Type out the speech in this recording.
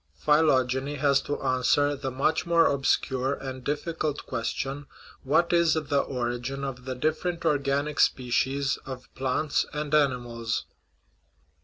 Phy logeny has to answer the much more obscure and difficult question :* What is the origin of the different organic species of plants and animals?"